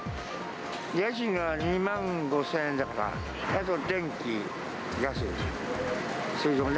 家賃が２万５０００円だから、あと電気、ガス、水道ね。